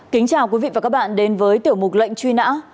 kính chào quý vị và các bạn đến với tiểu mục lệnh truy nã